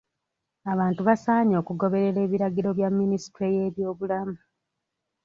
Abantu basaanye okugoberera abiragiro bya minisitule y'ebyobulamu.